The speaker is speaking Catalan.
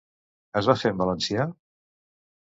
Es va fer en valencià?